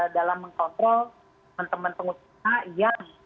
dalam mengkontrol teman teman pengusaha yang